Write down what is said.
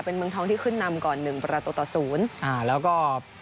เป็นเมืองทองที่ขึ้นนำก่อนหนึ่งประตูต่อศูนย์อ่าแล้วก็